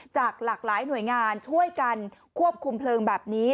จากหลากหลายหน่วยงานช่วยกันควบคุมเพลิงแบบนี้